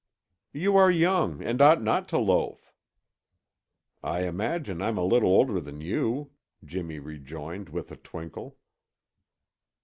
"You are young and ought not to loaf." "I imagine I'm a little older than you," Jimmy rejoined with a twinkle.